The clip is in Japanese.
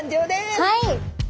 はい！